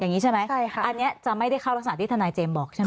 อย่างนี้ใช่ไหมใช่ค่ะอันนี้จะไม่ได้เข้ารักษณะที่ทนายเจมส์บอกใช่ไหม